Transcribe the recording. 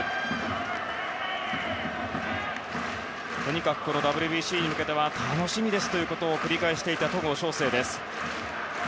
とにかくＷＢＣに向けては楽しみですということを繰り返していた戸郷翔征です。